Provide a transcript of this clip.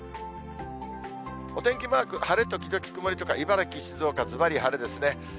お天気マーク、晴れ時々曇りとか茨城、静岡、ずばり晴れですね。